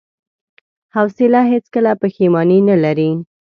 حوصله هیڅکله پښېماني نه لري.